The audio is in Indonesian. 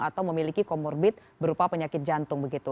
atau memiliki komorbit berupa penyakit jantung